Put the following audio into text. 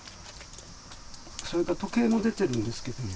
それと時計も出てるんですけどね。